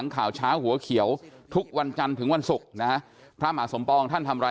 ขอติดตามกันได้นะฮะ